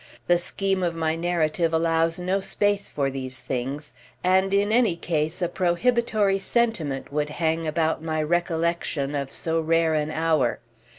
The scheme of my narrative allows no space for these things, and in any case a prohibitory sentiment would hang about my recollection of so rare an hour.